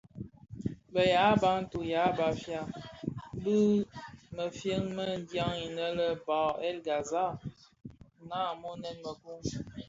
Bë yaa Bantu (ya Bafia) bi mëfye më dyaň innë le bahr El Ghazal nnamonèn mëkoo.